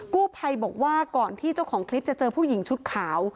กู้ภัยบอกว่าก่อนที่เจ้าของคลิปจะเจอผู้หญิงชุดขาว